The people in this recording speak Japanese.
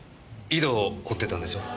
井戸を掘ってたんでしょ？